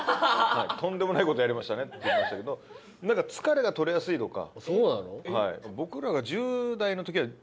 とんでもないことやりましたねって言われましたけど疲れがとれやすいとか。